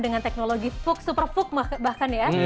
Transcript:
dengan teknologi vooc supervooc bahkan ya